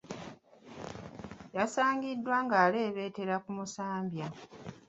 Yasangiddwa ng’alebeetera ku musambya.